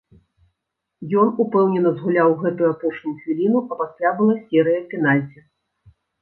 Ён упэўнена згуляў гэтую апошнюю хвіліну, а пасля была серыя пенальці.